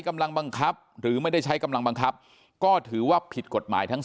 กำลังบังคับหรือไม่ได้ใช้กำลังบังคับก็ถือว่าผิดกฎหมายทั้ง